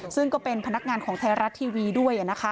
ซึ่งก็เป็นพนักงานของไทยรัฐทีวีด้วย